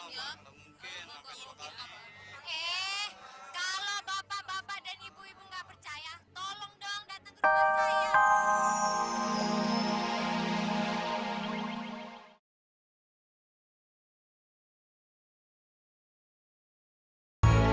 datang ke rumah saya